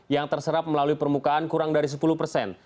yang terserap melalui permukaan kurang dari sepuluh persen